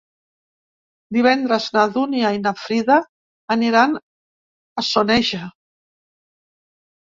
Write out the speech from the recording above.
Divendres na Dúnia i na Frida aniran a Soneja.